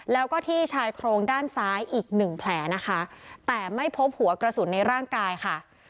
แล้วก็ที่ชายโครงด้านซ้ายอีกหนึ่งแผลนะคะแต่ไม่พบหัวกระสุนในร่างกายค่ะ